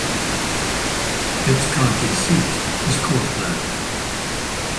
Its county seat is Courtland.